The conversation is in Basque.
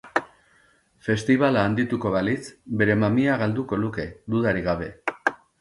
Festibala handituko balitz, bere mamia galduko luke, dudarik gabe.